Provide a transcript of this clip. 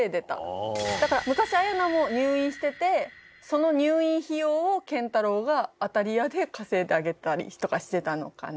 だから昔彩奈も入院しててその入院費用を健太郎が当たり屋で稼いであげたりとかしてたのかな。